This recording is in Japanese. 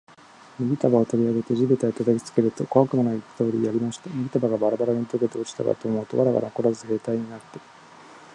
麦束を取り上げて地べたへ叩きつけると、小悪魔の言った通りやりました。麦束がバラバラに解けて落ちたかと思うと、藁がのこらず兵隊になって、